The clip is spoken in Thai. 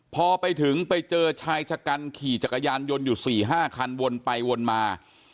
พอไปถึงไปเจอชายชะกันขี่จักรยานยนต์อยู่๔๕คันวนไปวนมา